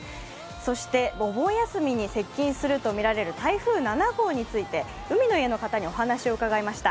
そしてお盆休みに接近するとみられる台風７号について海の家の方にお話を伺いました。